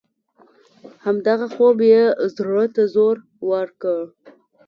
همدغه خوب یې زړه ته زور ورکړ.